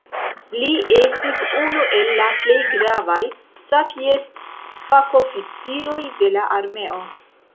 Li estis unu el plej gravaj sapeist-fakoficiroj de la armeo.